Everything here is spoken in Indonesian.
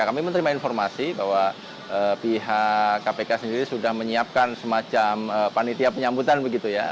kami menerima informasi bahwa pihak kpk sendiri sudah menyiapkan semacam panitia penyambutan begitu ya